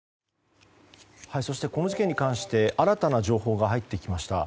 そしてこの事件に関して新たな情報が入ってきました。